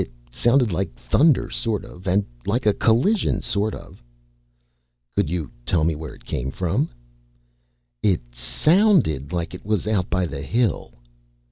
It sounded like thunder, sort of, and like a collision, sort of." "Could you tell where it came from?" "It sounded like it was out by the hill."